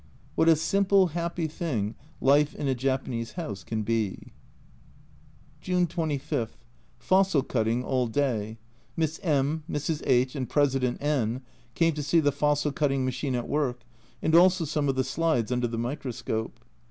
What a simple happy thing life in a Japanese house can be ! June 25. Fossil cutting all day. Miss M , Mrs. H , and President N came to see the fossil cutting machine at work, and also some of the slides under the microscope.